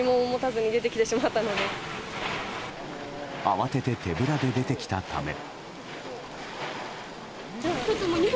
慌てて手ぶらで出てきたため。